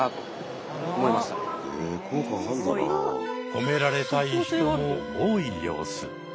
褒められたい人も多い様子。